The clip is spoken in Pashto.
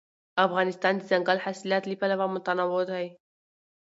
افغانستان د دځنګل حاصلات له پلوه متنوع دی.